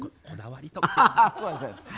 こだわりとか。